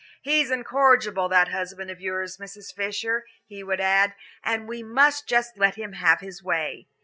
"He's incorrigible, that husband of yours, Mrs. Fisher," he would add, "and we must just let him have his way."